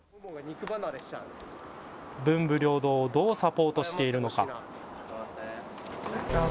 文武両道をどうサポートしているのか。